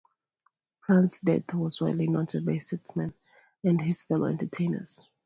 Pran's death was widely noted by statesmen and his fellow entertainers.